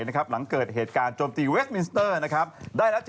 นี่แหละค่ะหักก่อนชั่วโมงคุณทำได้แค่นี้เหรอ